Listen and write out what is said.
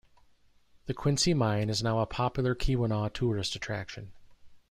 The Quincy Mine is now a popular Keweenaw tourist attraction.